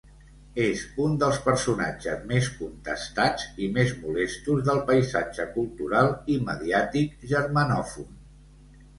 És un dels personatges més contestats i més molestos del paisatge cultural i mediàtic germanòfon.